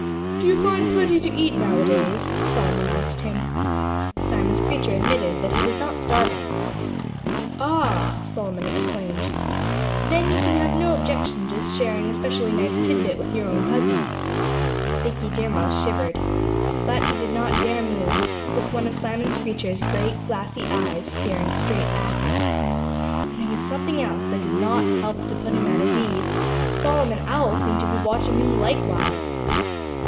"Do you find plenty to eat nowadays?" Solomon asked him. Simon Screecher admitted that he was not starving. "Ah!" Solomon exclaimed. "Then you can have no objection to sharing a specially nice tidbit with your own cousin." Dickie Deer Mouse shivered. But he did not dare move, with one of Simon Screecher's great, glassy eyes staring straight at him. And there was something else that did not help to put him at his ease: Solomon Owl seemed to be watching him likewise!